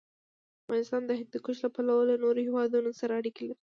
افغانستان د هندوکش له پلوه له نورو هېوادونو سره اړیکې لري.